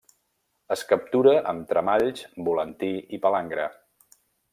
Es captura amb tremalls, volantí i palangre.